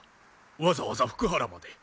わざわざ福原まで。